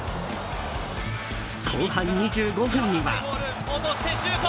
後半２５分には。